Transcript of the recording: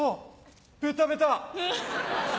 ベタベタ！